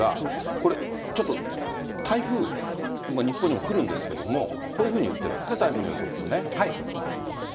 これ、ちょっと台風、日本にも来るんですけども、こういうふうに言ってるんですね、台風の予測をね。